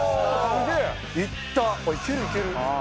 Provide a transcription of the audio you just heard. いけるいける！